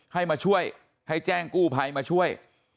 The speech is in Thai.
ให้มาช่วยให้แจ้งกู้ภัยมาช่วย